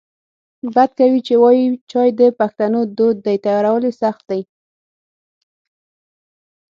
بد کوي چې وایې چای د پښتنو دود دی تیارول یې سخت دی